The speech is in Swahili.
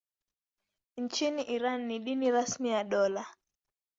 Nchini Iran ni dini rasmi ya dola.